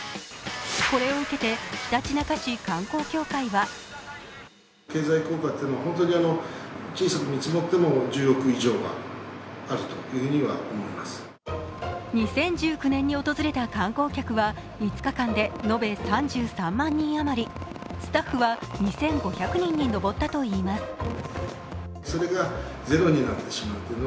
これを受けて、ひたちなか市観光協会は２０１９年に訪れた観光客は５日間で延べ３３万人余り、スタッフは２５００人に上ったといいます。